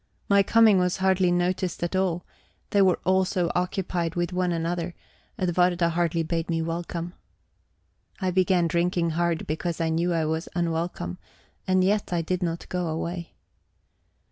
My coming was hardly noticed at all, they were all so occupied with one another; Edwarda hardly bade me welcome. I began drinking hard because I knew I was unwelcome; and yet I did not go away.